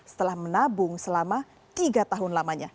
setelah menabung selama tiga tahun lamanya